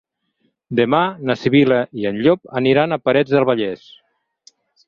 Demà na Sibil·la i en Llop aniran a Parets del Vallès.